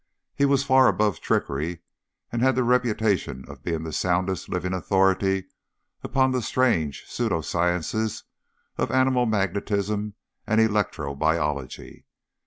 He was far above trickery, and had the reputation of being the soundest living authority upon the strange pseudo sciences of animal magnetism and electro biology.